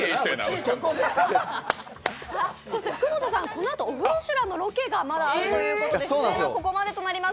そして福本さん、このあと「オフロシュラン」のロケがあるということで出演はここまでとなります